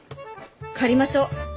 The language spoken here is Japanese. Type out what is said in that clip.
借りましょう！